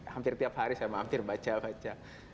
hampir tiap hari saya mampir baca baca